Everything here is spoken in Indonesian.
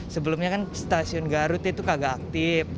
sebelumnya kan stasiun garut itu kagak aktif